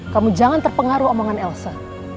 kamu jangan terpengaruh omongan elsa